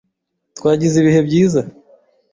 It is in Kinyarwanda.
Twagize ibihe byiza.